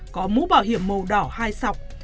có mũ bảo hiểm màu đỏ hai sọc